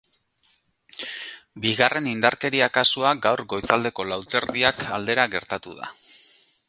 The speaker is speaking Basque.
Bigarren indarkeria kasua gaur goizaldeko lau eta erdiak aldera gertatu da.